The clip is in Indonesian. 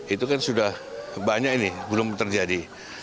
itu kan sudah banyak ini belum terjadi